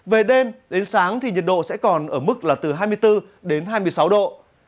về đêm đến sáng thì nhiệt độ sẽ còn ở mức là từ hai mươi bốn đến hai mươi sáu độ